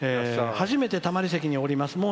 「初めてたまり席におります。